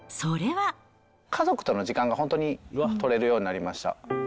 家族との時間が、ほんとに取れるようになりました。